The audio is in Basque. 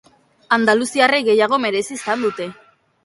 Andaluziarrek gehiago merezi izan dute.